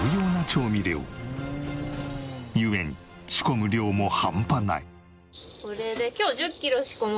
ゆえに仕込む量も半端ない。